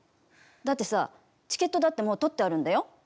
だってさ、チケットだってもう取ってあるんだよ。